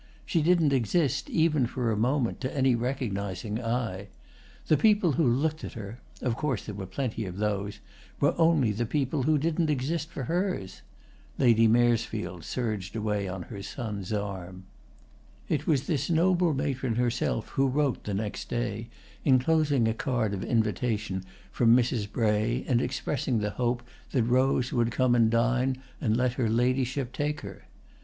She didn't exist, even for a second, to any recognising eye. The people who looked at her—of course there were plenty of those—were only the people who didn't exist for hers. Lady Maresfield surged away on her son's arm. It was this noble matron herself who wrote, the next day, inclosing a card of invitation from Mrs. Bray and expressing the hope that Rose would come and dine and let her ladyship take her.